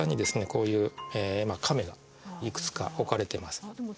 こういう甕がいくつか置かれてます